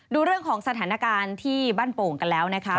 ดูเรื่องของสถานการณ์ที่บ้านโป่งกันแล้วนะคะ